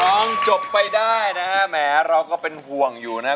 ร้องจบไปได้นะฮะแม้เราก็เป็นห่วงอยู่นะ